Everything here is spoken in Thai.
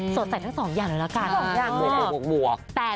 สดใสทั้งสองอย่างเลยละกัน